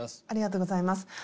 ありがとうございます。